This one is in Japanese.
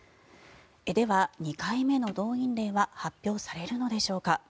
では２回目の動員令は発表されるのでしょうか。